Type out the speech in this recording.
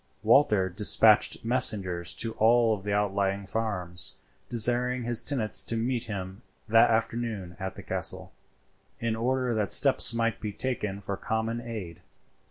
Walter despatched messengers to all the outlying farms, desiring his tenants to meet him that afternoon at the castle, in order that steps might be taken for common aid.